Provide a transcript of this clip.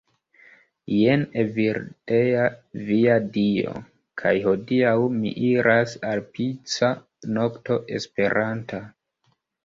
Jen Evildea. Via Dio. kaj hodiaŭ mi iras al pica nokto esperanta